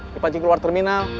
dipancing keluar terminal